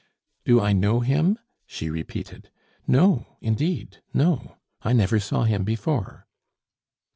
"Do I know him?" she repeated. "No, indeed, no. I never saw him before!"